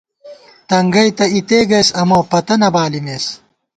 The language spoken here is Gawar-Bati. تنگئ تہ اِتے گئیس اَمہ، پتہ نہ بالِمېس